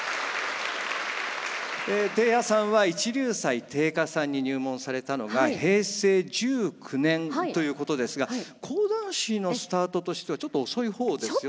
貞弥さんは一龍斎貞花さんに入門されたのが平成１９年ということですが講談師のスタートとしてはちょっと遅い方ですよね。